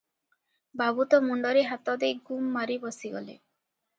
ବାବୁ ତ ମୁଣ୍ଡରେ ହାତ ଦେଇ ଗୁମ୍ ମାରି ବସିଗଲେ ।